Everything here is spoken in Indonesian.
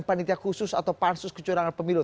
panitia khusus atau pansus kecurangan pemilu